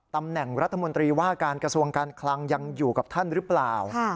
ตำแหน่งรัฐมนตรีว่าการกระทรวงการคลังยังอยู่กับท่านหรือเปล่า